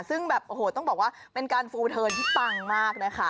ซึ่งแบบโอ้โหต้องบอกว่าเป็นการฟูเทิร์นที่ปังมากนะคะ